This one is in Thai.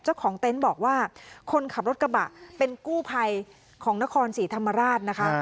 เต็นต์บอกว่าคนขับรถกระบะเป็นกู้ภัยของนครศรีธรรมราชนะคะ